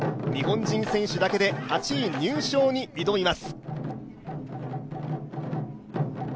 日本人選手だけで８位入賞に挑みます。